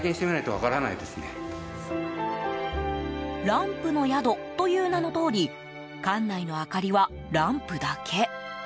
ランプの宿という名のとおり館内の明かりはランプだけ。